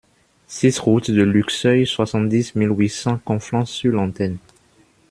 six route de Luxeuil, soixante-dix mille huit cents Conflans-sur-Lanterne